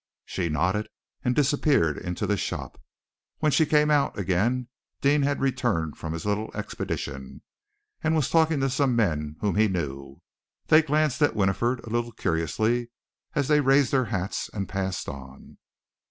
She nodded, and disappeared into the shop. When she came out again Deane had returned from his little expedition, and was talking to some men whom he knew. They glanced at Winifred a little curiously as they raised their hats and passed on.